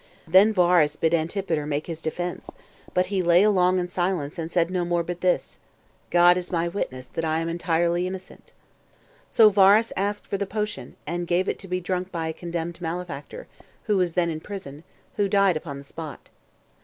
5. Then Varus bid Antipater make his defense; but he lay along in silence, and said no more but this, "God is my witness that I am entirely innocent." So Varus asked for the potion, and gave it to be drunk by a condemned malefactor, who was then in prison, who died upon the spot.